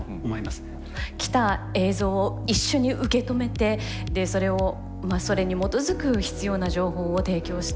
来た映像を一緒に受け止めてでそれに基づく必要な情報を提供していく。